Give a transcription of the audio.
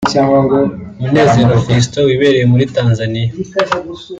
Munezero Fiston wibereye muri Tanzania